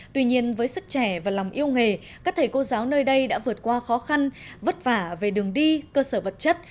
tuy nhiên với sức trẻ và lòng yêu nghề các thầy cô giáo nơi đây đã vượt qua khó khăn vất vả về đường đi cơ sở vật chất